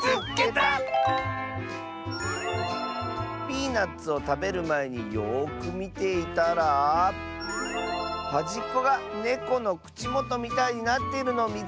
「ピーナツをたべるまえによくみていたらはじっこがネコのくちもとみたいになっているのをみつけた！」。